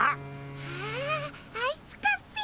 あああいつかっピィ。